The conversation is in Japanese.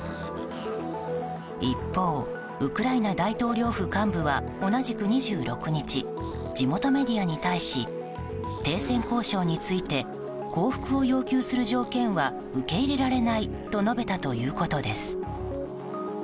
一方、ウクライナ大統領府幹部は同じく２６日地元メディアに対し停戦交渉について降伏を要求する条件は受け入れられないと述べたということです。